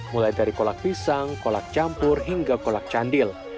mulai dari kolak pisang kolak campur hingga kolak candil